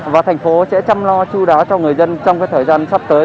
và thành phố sẽ chăm lo chú đáo cho người dân trong thời gian sắp tới